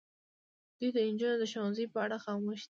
دوی د نجونو د ښوونځي په اړه خاموش دي.